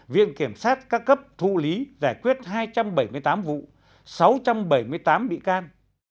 viện kiểm sát các cấp thụ lý giải quyết hai trăm bảy mươi tám vụ sáu trăm bảy mươi tám bị can